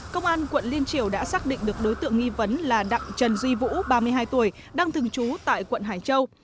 công an quận liên triều đã xác định được đối tượng nghi vấn là đặng trần duy vũ ba mươi hai tuổi đang thường trú tại quận hải châu